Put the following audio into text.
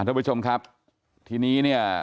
ท่านผู้ชมครับทีนี้เนี่ย